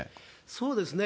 そうですね。